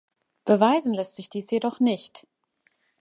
Beweisen lässt sich dies jedoch nicht.